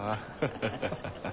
ハハハハハ。